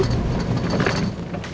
ma aku mau ke rumah